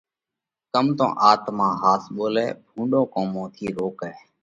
ڪم تو آتما ۿاس ٻولئھ، ڀُونڏون ڪومون ٿِي روڪئھ،